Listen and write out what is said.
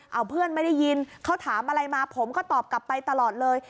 เอาเพื่อนไม่ได้ยินเขาถามอะไรมาผมก็ตอบกลับไปตลอดเลย